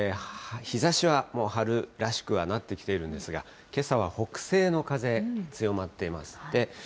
日ざしはもう春らしくはなってきているんですが、けさは北西の風、強まっています。